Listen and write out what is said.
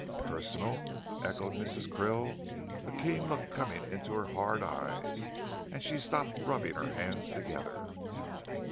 "Personal," echoed Mrs. Krill, a keen look coming into her hard eyes, and she stopped rubbing her hands together.